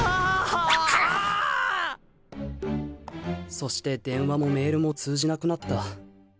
そして電話もメールも通じなくなった。